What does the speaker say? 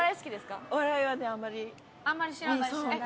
あんまり知らないですか？